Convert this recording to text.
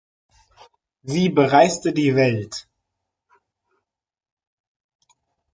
Sie bereiste die Welt.